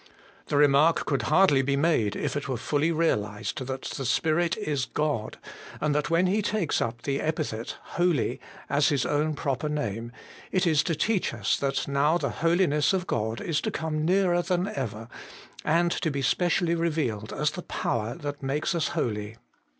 The remark could hardly be made if it were fully realized that the Spirit is God, and that when He takes up the epithet Holy as His own proper name, it is to teach us that now the Holiness of God is to come nearer than ever, and to be specially revealed as the power that makes us holy.